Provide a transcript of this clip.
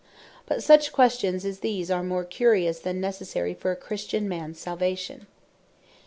But such questions as these, are more curious, than necessary for a Christian mans Salvation.